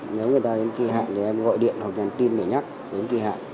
nếu người ta đến kỳ hạn thì em gọi điện hoặc nhắn tin để nhắc đến kỳ hạn